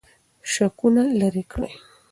شکونه لرې کړئ.